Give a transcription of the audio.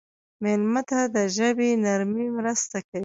مېلمه ته د ژبې نرمي مرسته کوي.